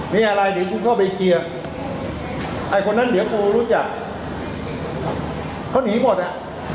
มีอะไรเดี๋ยวกูเข้าไปเคลียร์ไอ้คนนั้นเดี๋ยวกูรู้จักเขาหนีหมดอ่ะ